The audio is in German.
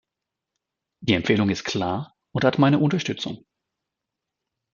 Die Empfehlung ist klar und hat meine Unterstützung.